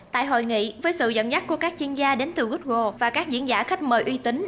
tại hội nghị với sự dẫn dắt của các chuyên gia đến từ google và các diễn giả khách mời uy tín